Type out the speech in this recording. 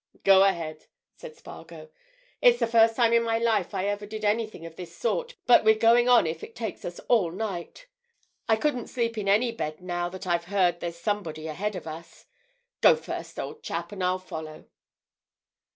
"Go ahead!" said Spargo. "It's the first time in my life I ever did anything of this sort, but we're going on if it takes us all night. I couldn't sleep in any bed now that I've heard there's somebody ahead of us. Go first, old chap, and I'll follow."